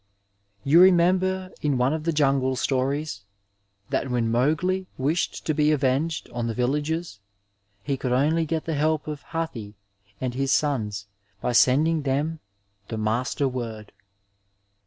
You remember in one of the Jungle Stories that when Mowgli wished to be avenged on the villagers he could only get the help of Hathi and his sons by sending them the master word.